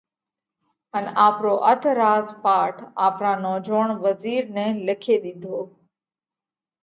ان آپرو اڌ راز پاٽ آپرا نوجوئوڻ وزِير نئہ لکي ۮِيڌو۔